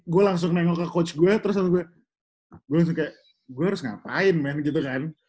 gue langsung nengok ke coach gue terus aku kayak gue harus ngapain main gitu kan